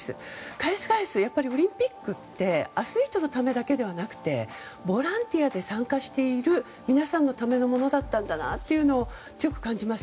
返す返す、オリンピックってアスリートのためだけではなくボランティアで参加している皆さんのためのものだったんだなというのを強く感じます。